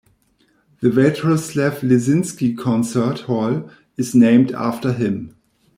The Vatroslav Lisinski Concert Hall is named after him.